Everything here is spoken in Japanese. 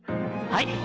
はい！